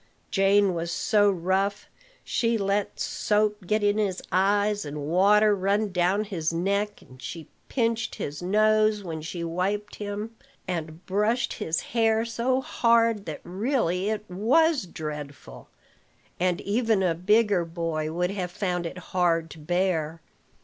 Jane was so rough. She let soap get in his eyes, and water run down his neck, and she pinched his nose when she wiped him, and brushed his hair so hard that really it was dreadful; and even a bigger boy would have found it hard to bear.